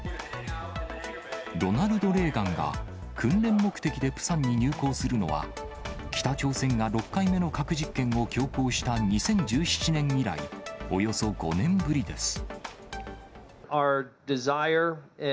ロナルド・レーガンが、訓練目的でプサンに入港するのは、北朝鮮が６回目の核実験を強行した２０１７年以来、およそ５年ぶりです。